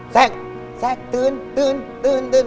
แซ่งตื่นตื่นตื่น